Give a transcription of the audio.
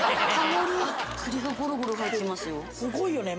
すごいよね。